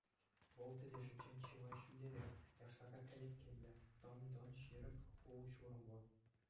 Вӑл тетӗшӗнчен чылай ҫӳллӗрех, яштака кӗлеткеллӗ, тӑн-тӑн ҫирӗп хул-ҫурӑмлӑ.